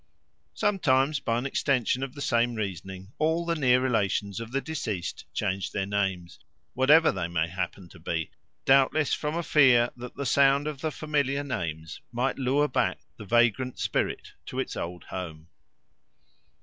Sometimes by an extension of the same reasoning all the near relations of the deceased change their names, whatever they may happen to be, doubtless from a fear that the sound of the familiar names might lure back the vagrant spirit to its old home.